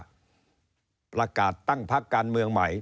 ประกาศตั้งพักการเมืองใหม่